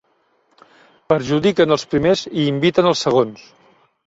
Perjudiquen els primers i inviten els segons.